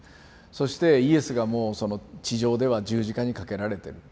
そしてイエスがもう地上では十字架に掛けられてる。